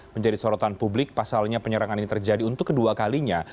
menjadi sorotan publik pasalnya penyerangan ini terjadi untuk kedua kalinya